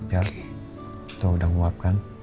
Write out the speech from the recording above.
ya itu udah nguap kan